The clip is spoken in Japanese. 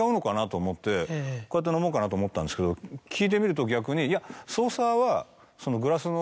こうやって飲もうかなと思ったんですけど聞いてみると逆に。